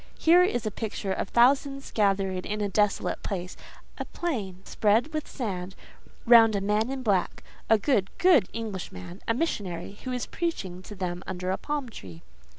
Here is a picture of thousands gathered in a desolate place—a plain, spread with sand—round a man in black,—a good, good Englishman—a missionary, who is preaching to them under a palm tree."